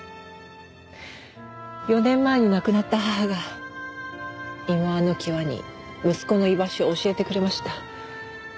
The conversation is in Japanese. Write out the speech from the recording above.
４年前に亡くなった母がいまわの際に息子の居場所を教えてくれました。